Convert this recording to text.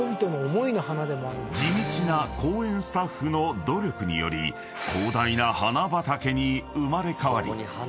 ［地道な公園スタッフの努力により広大な花畑に生まれ変わり］